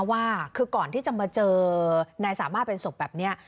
ว่าคือก่อนที่จะมาเจอนายสามารถเป็นศพแบบนี้